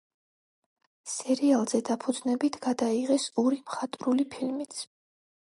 სერიალზე დაფუძნებით გადაიღეს ორი მხატვრული ფილმიც.